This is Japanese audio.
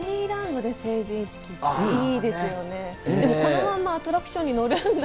でもこのままアトラクションに乗